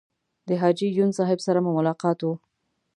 د حاجي یون صاحب سره مو ملاقات و.